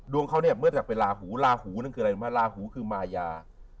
ดวงเขาเนี่ยเมื่อแต่เป็นลาหูลาหูนั่นคืออะไรนะครับลาหูคือมายา